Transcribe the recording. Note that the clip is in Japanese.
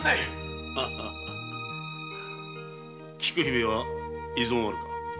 菊姫は異存はあるか？